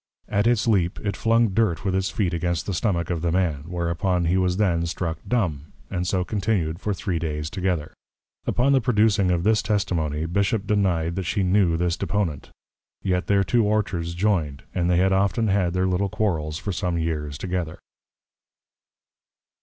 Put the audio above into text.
At its leap, it flung Dirt with its Feet against the Stomack of the Man; whereon he was then struck Dumb, and so continued for three Days together. Upon the producing of this Testimony, Bishop deny'd that she knew this Deponent: Yet their two Orchards joined; and they had often had their little Quarrels for some years together.